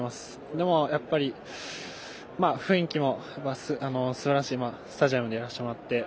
でも、やっぱり雰囲気もすばらしいスタジアムでやらせていただいて。